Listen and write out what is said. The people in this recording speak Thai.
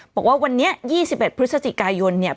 บอกว่าวันนี้ยี่สิบเอ็ดพฤศจิกายนเนี่ย